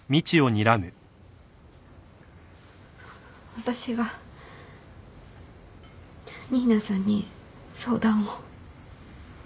私が新名さんに相談を。